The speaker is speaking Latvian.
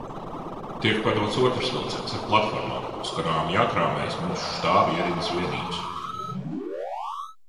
Tiek padots otrs vilciens ar platformām, uz kurām jākrāmējas mūsu štāba ierindas vienības.